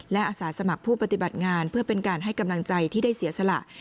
และอาสาสมัครผู้ปฏิบัติงานเพื่อเป็นการให้กำลังใจที่ได้เสียสละ